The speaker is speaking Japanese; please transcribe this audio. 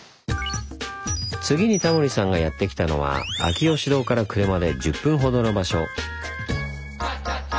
次にタモリさんがやって来たのは秋芳洞から車で１０分ほどの場所。